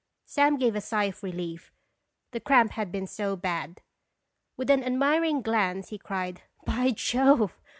Sam gave a sigh of relief, the cramp had been so bad. With an admiring glance he cried "By Jove!